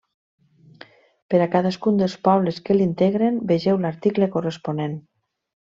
Per a cadascun dels pobles que l'integren, vegeu l'article corresponent.